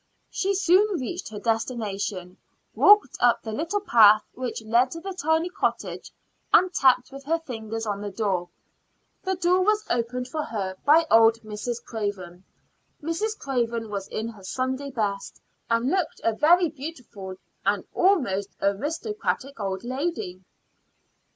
She soon reached her destination, walked up the little path which led to the tiny cottage, and tapped with her fingers on the door. The door was opened for her by old Mrs. Craven. Mrs. Craven was in her Sunday best, and looked a very beautiful and almost aristocratic old lady.